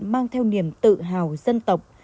mang theo niềm tự hào dân tộc